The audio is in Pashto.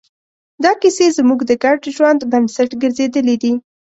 دا کیسې زموږ د ګډ ژوند بنسټ ګرځېدلې دي.